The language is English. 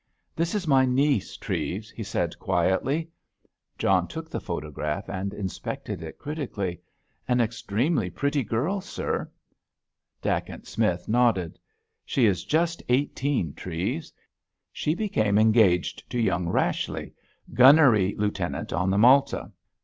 "This is my niece, Treves," he said quietly. John took the photograph and inspected it critically. "An extremely pretty girl, sir." Dacent Smith nodded. "She is just eighteen, Treves. She became engaged to young Rashleigh, gunnery lieutenant on the Malta."